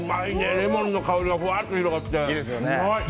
レモンの香りがふわっと広がって！